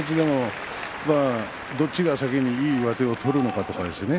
どちらが先にいい上手を取るのかということですね